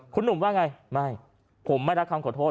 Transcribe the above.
คุณหนุ่มว่าไงไม่ผมไม่รับคำขอโทษ